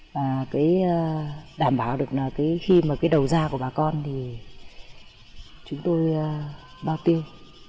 và đảm bảo được khi đầu ra của bà con chúng tôi bao tiêu